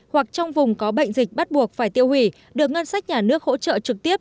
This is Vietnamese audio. hoặc trong vùng có bệnh dịch bắt buộc phải tiêu hủy được ngân sách nhà nước hỗ trợ trực tiếp